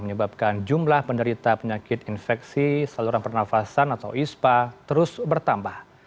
menyebabkan jumlah penderita penyakit infeksi saluran pernafasan atau ispa terus bertambah